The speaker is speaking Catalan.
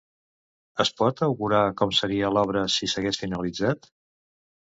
Es pot augurar com seria l'obra si s'hagués finalitzat?